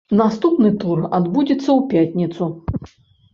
Наступны тур адбудзецца ў пятніцу.